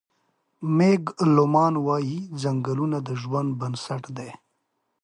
مېګ لومان وايي: "ځنګلونه د ژوند بنسټ دی.